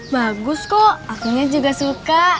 bagus kok akunya juga suka